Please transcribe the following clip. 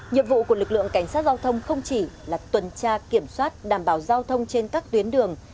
nhiệm vụ của lực lượng cảnh sát giao thông không chỉ là tuần tra kiểm soát đảm bảo giao thông trên các tuyến đường